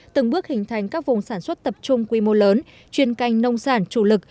từng bước hình thành các vùng sản xuất tập trung quy mô lớn chuyên canh nông sản chủ lực